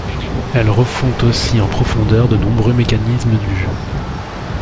Elle refond aussi en profondeur de nombreux mécanismes du jeu.